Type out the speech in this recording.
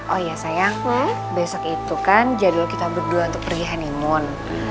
oh ya sayang besok itu kan jadwal kita berdua untuk pergi honeymoon